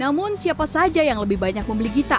namun siapa saja yang lebih banyak membeli gita